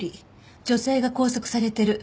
女性が拘束されてる。